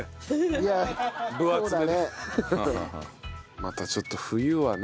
またちょっと冬はね。